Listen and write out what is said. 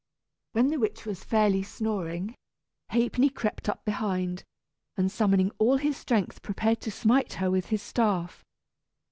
When the witch was fairly snoring, Ha'penny crept up behind, and summoning all his strength prepared to smite her with his staff.